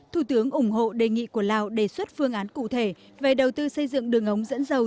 thủ tướng ủng hộ đề nghị của lào đề xuất phương án cụ thể về đầu tư xây dựng đường ống dẫn dầu